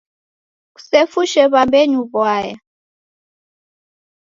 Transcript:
Kusefushe w'ambenyu w'uaya.